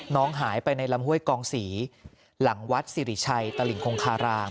น้องหายไปในลำห้วยกองศรีหลังวัดสิริชัยตลิงคงคาราม